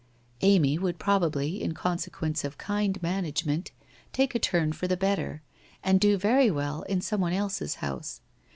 Amy would probably, in consequence of kind manage ment, take a turn for the better, and do very well in some one else's house.